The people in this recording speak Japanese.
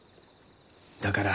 だから。